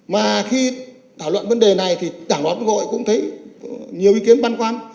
mà khi thảo luận vấn đề này thì đảng đó cũng gọi cũng thấy nhiều ý kiến băn khoăn